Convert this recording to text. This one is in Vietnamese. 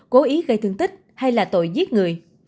cố ý gây thương tích hay là tội giết người